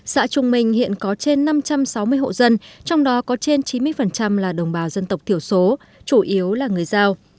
xã trung minh hiện có trên năm trăm sáu mươi hộ dân trong đó có trên chín mươi là đồng bào dân tộc thiểu số chủ yếu là người giao